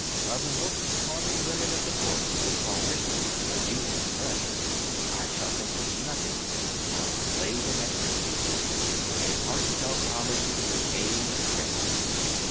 While the most charming women of the court will fall victims to my youth and strength, I shall think of nothing but how to lay them at your feet, and pay heart felt homage to your age and wrinkles.